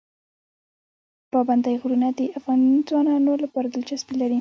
پابندی غرونه د افغان ځوانانو لپاره دلچسپي لري.